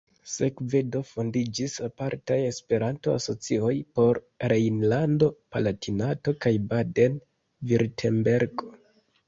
Sekve do fondiĝis apartaj Esperanto-asocioj por Rejnlando-Palatinato kaj Baden-Virtembergo.